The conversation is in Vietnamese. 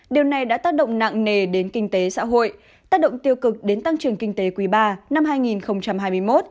điều này đã tác động nặng nề đến kinh tế xã hội tác động tiêu cực đến tăng trưởng kinh tế quý iii năm hai nghìn hai mươi một